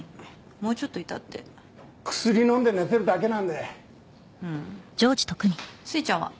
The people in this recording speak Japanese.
もうちょっといたって薬飲んで寝てるだけなんでふーんすいちゃんは？